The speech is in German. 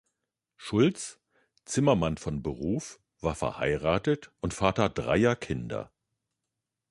Schulz, Zimmermann von Beruf, war verheiratet und Vater dreier Kinder.